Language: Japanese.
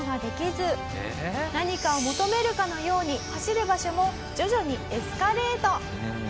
何かを求めるかのように走る場所も徐々にエスカレート！